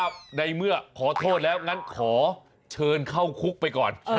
ในเมื่อขอโทษแล้วงั้นขอเชิญเข้าคุกไปก่อน